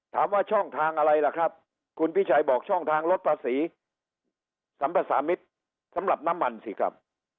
ช่องทางอะไรล่ะครับคุณพิชัยบอกช่องทางลดภาษีสัมภาษามิตรสำหรับน้ำมันสิครับ